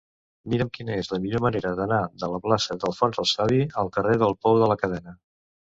Mira'm quina és la millor manera d'anar de la plaça d'Alfons el Savi al carrer del Pou de la Cadena.